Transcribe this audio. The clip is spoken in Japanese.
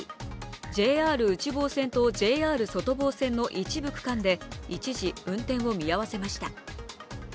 ＪＲ内房線とＪＲ外房線の一部区間で一時運転を見合わせました。